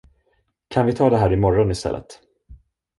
Kan vi ta det här imorgon istället?